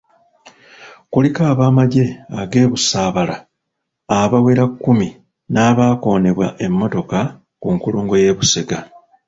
Kuliko abamagye age'Busaabala abawera kkumi n'abaakoonebwa emmotoka ku nkulungo y'e Busega.